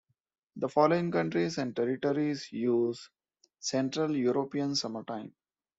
The following countries and territories use Central European Summer Time.